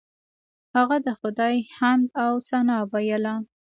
هغه د خدای حمد او ثنا ویله.